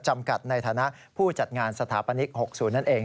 จำกัดในฐานะผู้จัดงานสถาปนิก๖๐นั่นเอง